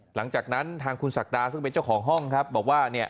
หลังจากนั้นทางคุณศักดาซึ่งเป็นเจ้าของห้องครับบอกว่าเนี่ย